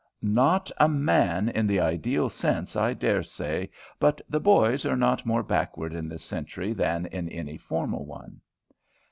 "Not 'a man' in the ideal sense, I daresay; but the boys are not more backward in this century than in any former one."